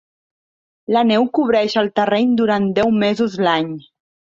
La neu cobreix el terreny durant deu mesos l'any.